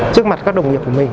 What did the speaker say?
trước mặt các đồng nghiệp của mình